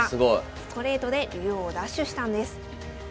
ストレートで竜王を奪取したんです。